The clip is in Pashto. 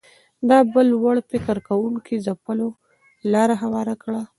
دا بل وړ فکر کوونکو ځپلو لاره هواره کړه